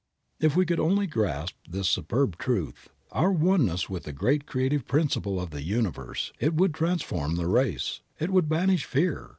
If we could only grasp this superb truth, our oneness with the great creative principle of the universe it would transform the race. It would banish fear.